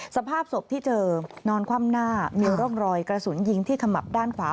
สภาพศพที่เจอนอนคว่ำหน้ามีร่องรอยกระสุนยิงที่ขมับด้านขวา